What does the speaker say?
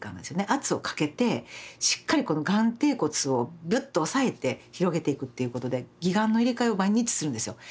圧をかけてしっかりこの眼底骨をぐっと押さえて広げていくっていうことで義眼の入れ替えを毎日するんですよ。